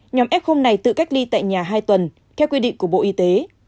nhóm f này tự cách ly tại nhà hai tuần theo quy định của bộ y tế